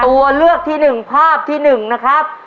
ตัวเลือดที่หนึ่งภาพที่หนึ่งนะครับ